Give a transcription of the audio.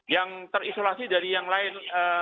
yang terisolasi dari yang lain